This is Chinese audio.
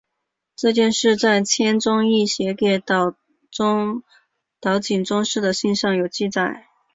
这件事在千宗易写给岛井宗室的信上有记载。